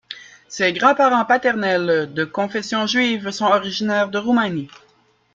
Ses grands-parents paternels, de confession juive, sont originaires de Roumanie.